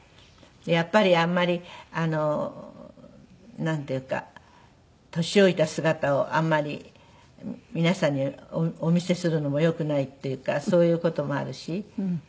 やっぱりあんまりなんていうか年老いた姿をあんまり皆さんにお見せするのもよくないっていうかそういう事もあるし。